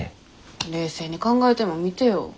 冷静に考えてもみてよ。